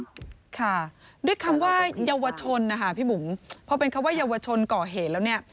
ค่ะด้วยคำว่าเยาวชนนะคะพี่บุ๋มพอเป็นคำว่าเยาวชนก่อเหตุแล้วเนี่ย